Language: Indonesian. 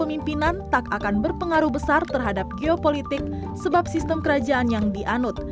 pemimpinan tak akan berpengaruh besar terhadap geopolitik sebab sistem kerajaan yang dianut